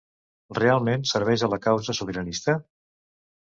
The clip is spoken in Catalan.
Realment serveix a la causa sobiranista?